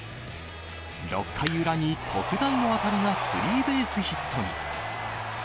６回裏に特大の当たりがスリーベースヒットに。